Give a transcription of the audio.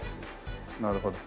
なるほど。